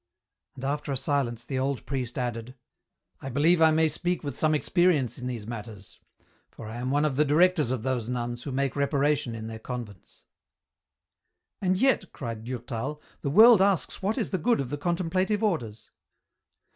And after a silence the old priest added, —" I believe I may speak with some experience in these matters, for I am one of the directors of those nuns who make reparation in their convents." " And yet," cried Durtal, *' the world asks what is the good of the contemplative Orders."